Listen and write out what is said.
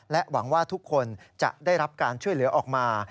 หวังว่าทุกคนจะได้รับการช่วยเหลือออกมา